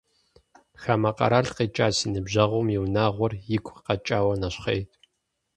Хамэ къэрал къикӏа си ныбжьэгъум и унагъуэр игу къэкӏауэ нэщхъейт…